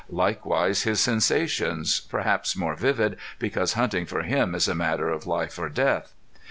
Likewise his sensations, perhaps more vivid because hunting for him is a matter of life or death.